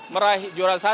meraih juara satu